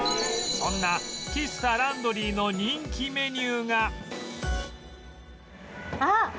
そんな喫茶ランドリーの人気メニューがあっ！